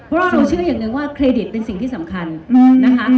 เพราะเราเชื่ออย่างหนึ่งว่าเครดิตเป็นสิ่งที่สำคัญนะคะ